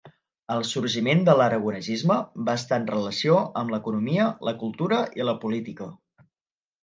El sorgiment de l'aragonesisme va estar en relació amb l'economia, la cultura i la política.